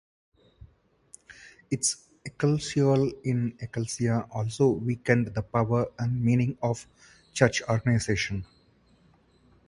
Its "ecclesiolae in ecclesia" also weakened the power and meaning of church organization.